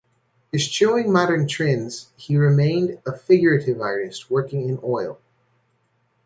Eschewing modern trends, he remained a figurative artist working in oil.